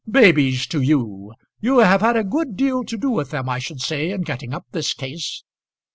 "Babies to you! You have had a good deal to do with them, I should say, in getting up this case."